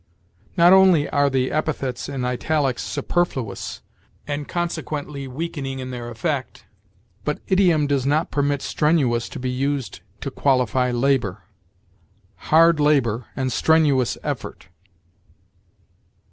Not only are the epithets in italics superfluous, and consequently weakening in their effect, but idiom does not permit strenuous to be used to qualify labor: hard labor and strenuous effort.